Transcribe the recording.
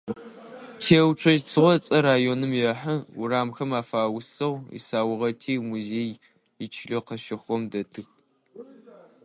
Теуцожь Цыгъо ыцӀэ районым ехьы, урамхэм афаусыгъ, исаугъэти, имузеий ичылэу къызщыхъугъэм дэтых.